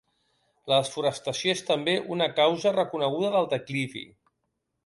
La desforestació és també una causa reconeguda del declivi.